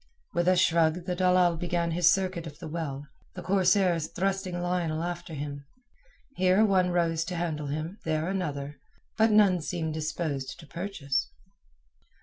With a shrug the dalal began his circuit of the well, the corsairs thrusting Lionel after him. Here one rose to handle him, there another, but none seemed disposed to purchase.